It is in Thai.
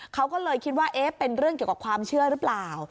เขาก็เลยคิดว่าเอ๊ะเป็นเรื่องเกี่ยวกับความเชื่อหรือเปล่า